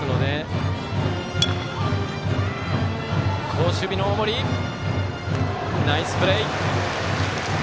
好守備の大森、ナイスプレー。